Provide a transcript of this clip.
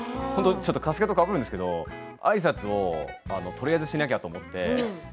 加助とかぶるんですけどあいさつをとりあえずしなきゃと思って。